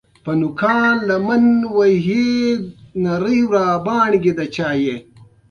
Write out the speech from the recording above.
د خرڅلاو شمېره د کاروبار بریا ښيي.